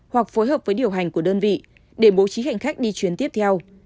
hoặc phối hợp với điều hành của đơn vị để bố trí hành khách đi chuyến tiếp theo